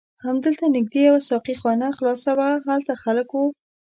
هملته نږدې یوه ساقي خانه خلاصه وه، هلته خلک و.